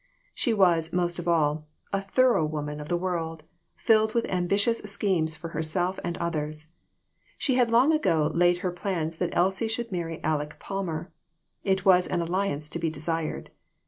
She was, most of all, a thorough woman of the world, filled with ambi tious schemes for herself and others. She had long ago laid her plans that Elsie should marry Aleck Palmer. It was an alliance to be desired.